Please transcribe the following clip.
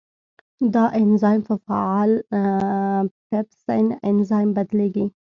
دا انزایم په فعال پیپسین انزایم بدلېږي.